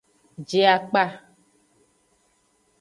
Je akpa.